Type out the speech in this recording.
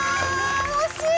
惜しい！